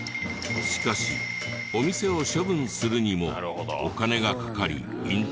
しかしお店を処分するにもお金がかかり引退できない。